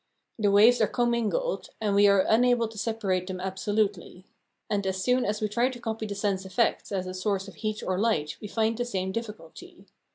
The waves are commingled, and we are unable to separate them absolutely. And as soon as we try to copy the sun's effects as a source of heat or light we find the same difficulty.